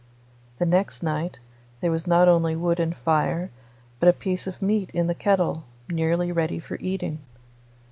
The next night there was not only wood and fire, but a piece of meat in the kettle, nearly ready for eating.